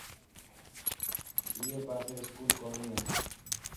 اڻي پاسي اسڪول ڪوني هي.